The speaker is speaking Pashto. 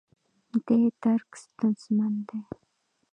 دې درک ستونزمن دی.